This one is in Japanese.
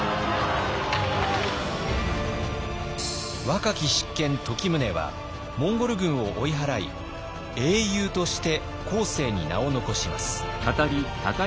若き執権時宗はモンゴル軍を追い払い英雄として後世に名を残します。